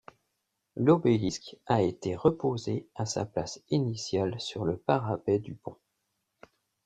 L'obélisque a été reposée à sa place initiale sur le parapet du pont.